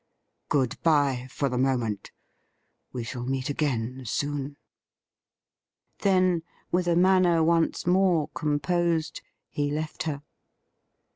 Good bye for the moment. We shall meet again soon.' Then, with a manner once more composed, he left her.